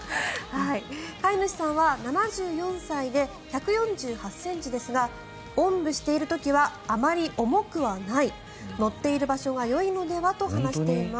飼い主さんは７４歳で１４８ｃｍですがおんぶしている時はあまり重くはない乗っている場所がよいのではと話しています。